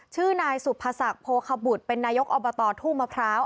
ชื่อนายสุภศักดิ์โภคบุตรเป็นนายกอบตทุ่งมะพร้าว